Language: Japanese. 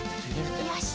よし。